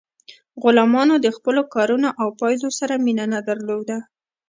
غلامانو د خپلو کارونو له پایلو سره مینه نه درلوده.